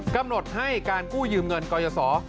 กำหนดให้การกู้ยืมเงินกอยเยาะสอ